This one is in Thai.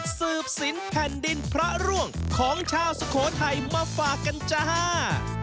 สืบศิลป์แผ่นดินพระร่วงของชาวสุโขทัยมาฝากกันจ้า